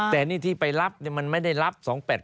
แต่นี่ที่ไปรับมันไม่ได้รับ๒๘๘